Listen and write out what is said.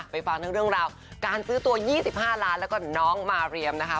ฟังทั้งเรื่องราวการซื้อตัว๒๕ล้านแล้วก็น้องมาเรียมนะคะ